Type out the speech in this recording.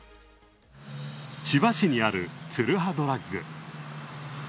千葉市にあるツルハドラッグ。